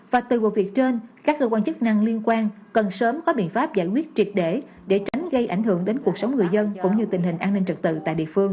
và từ vụ việc trên các cơ quan chức năng liên quan cần sớm có biện pháp giải quyết triệt để để tránh gây ảnh hưởng đến cuộc sống người dân cũng như tình hình an ninh trực tự tại địa phương